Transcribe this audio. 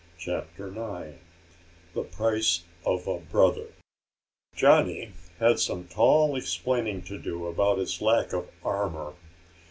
CHAPTER NINE The Price of a Brother Johnny had some tall explaining to do about his lack of armor.